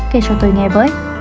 kể cho tôi nghe với